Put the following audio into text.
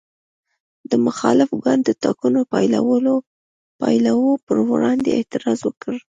د مخالف ګوند د ټاکنو پایلو پر وړاندې اعتراض وکړ.